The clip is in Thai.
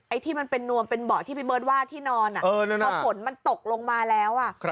ที่มันเป็นนวมเป็นเบาะที่พี่เบิร์ตว่าที่นอนพอฝนมันตกลงมาแล้ว